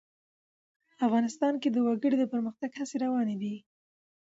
افغانستان کې د وګړي د پرمختګ هڅې روانې دي.